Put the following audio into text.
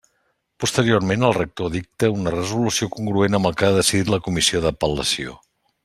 Posteriorment, el rector dicta una resolució congruent amb el que ha decidit la Comissió d'Apel·lació.